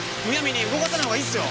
動かさない方がいいっすよ。